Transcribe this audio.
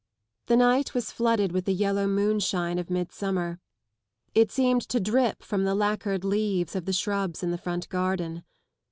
The night was flooded with the yellow moonshine of midsummer: it seemed to drip from the lacquered leaves of the shrubs in the front garden.